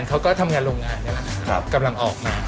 พวกผู้หญิงนี่ตัวดีนะ